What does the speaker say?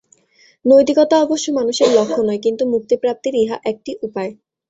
নৈতিকতা অবশ্য মানুষের লক্ষ্য নয়, কিন্তু মুক্তিপ্রাপ্তির ইহা একটি উপায়।